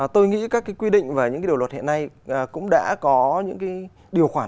tôi nghĩ các cái quy định và những điều luật hiện nay cũng đã có những điều khoản